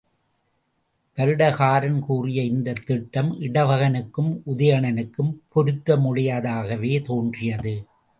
வருடகாரன் கூறிய இந்தத் திட்டம் இடவகனுக்கும் உதயணனுக்கும் பொருத்தமுடையதாகவே தோன்றியது.